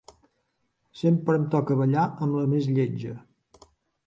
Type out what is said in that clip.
Sempre em toca ballar amb la més lletja.